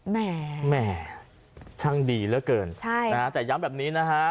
แหมช่างดีเหลือเกินใช่นะฮะแต่ย้ำแบบนี้นะฮะ